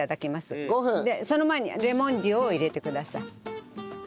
その前にレモン塩を入れてください。